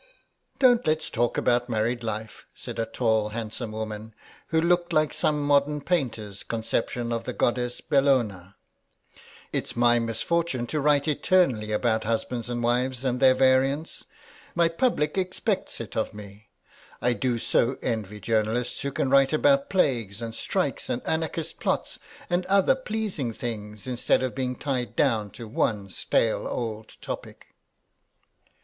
"Don't let's talk about married life," said a tall handsome woman, who looked like some modern painter's conception of the goddess Bellona; "it's my misfortune to write eternally about husbands and wives and their variants. My public expects it of me. I do so envy journalists who can write about plagues and strikes and Anarchist plots, and other pleasing things, instead of being tied down to one stale old topic."